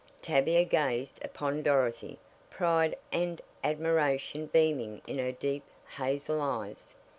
Tavia gazed upon Dorothy, pride and admiration beaming in her deep, hazel eyes.